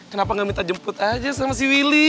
kenapa nggak minta jemput aja sama si willy